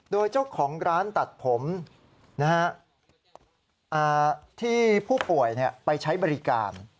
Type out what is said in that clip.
โดยเจ้าของร้านตัดผมที่ผู้ป่วยไปใช้บริการ